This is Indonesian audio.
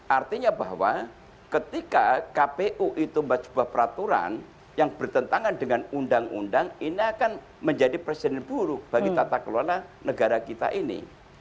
artinya bahwa ketika kpu itu membuat sebuah peraturan yang bertentangan dengan undang undang ini akan menjadi presiden buruk bagi tata kelola negara kita ini